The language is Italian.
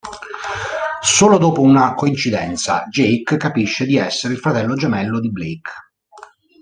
Solo dopo una coincidenza, Jake capisce di essere il fratello gemello di Blake.